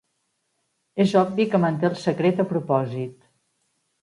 És obvi que manté el secret a propòsit.